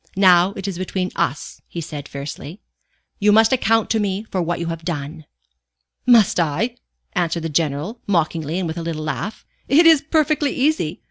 "Now it is between us," he said, fiercely. "You must account to me for what you have done." "Must I?" answered the General, mockingly and with a little laugh. "It is perfectly easy.